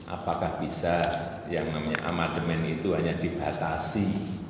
apakah bisa yang namanya amandemen itu hanya dibatasi